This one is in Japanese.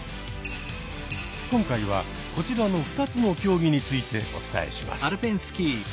今回はこちらの２つの競技についてお伝えします。